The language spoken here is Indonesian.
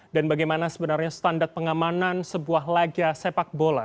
dan bagaimana sebenarnya standar pengamanan sebuah lagia sepak bola